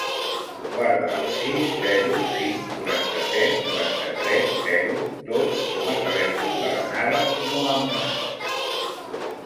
Guarda el sis, zero, cinc, quaranta-set, noranta-tres, zero, dos com a telèfon de la Nara Mohammad.